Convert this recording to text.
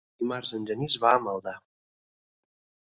Dimarts en Genís va a Maldà.